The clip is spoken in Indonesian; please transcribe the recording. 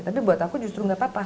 tapi buat aku justru nggak apa apa